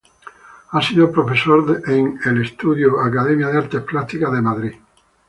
Ha sido profesor en "El Estudio" academia de artes plásticas en Madrid.